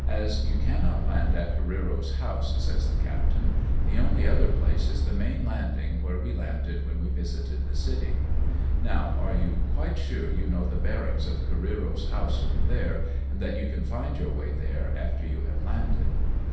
" As you cannot land at Careero's house," says the captain, "the only other place is the main landing where we landed when we visited the city ; now, are ARRIVE AT NAGASAKI. 261 you quite sure you know the bearings of Careero's house from there, and that you can find your way there, after you have landed